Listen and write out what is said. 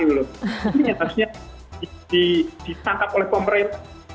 ini yang harusnya ditangkap oleh pemerintah